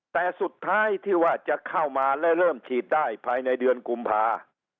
แต่สุดท้ายที่ว่าจะเข้ามาและเริ่มฉีดได้ภายในเดือนกุมภา